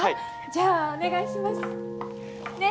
じゃあお願いします。ね？